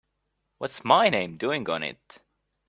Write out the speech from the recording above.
What's my name doing on it?